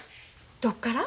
どっから？